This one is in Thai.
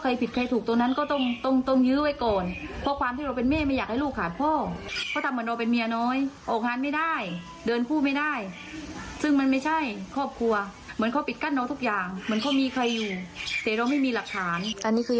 อยากกลับไปอยู่มั้ย